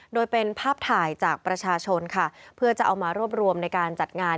โดยเป็นภาพถ่ายจากประชาชนค่ะเพื่อจะเอามารวบรวมในการจัดงาน